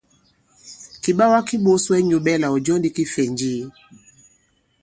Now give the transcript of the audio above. Kìɓawa ki ɓōs wɛ i nyū ɓɛ̄ɛlà ɔ̀ jɔ ndī kifɛ̀nji?